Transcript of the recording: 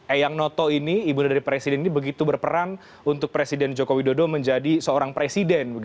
eyang noto ini ibu dari presiden ini begitu berperan untuk presiden joko widodo menjadi seorang presiden